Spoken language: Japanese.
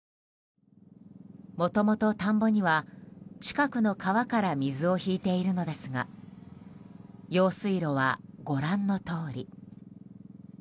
もともと田んぼには近くの川から水を引いているのですが用水路は、ご覧のとおり。